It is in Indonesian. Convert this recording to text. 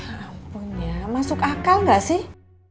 ya ampun ya masuk akal gak sih